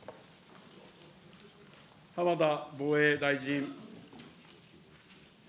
浜田防衛大臣。